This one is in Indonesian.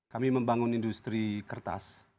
kami membangun industri kertas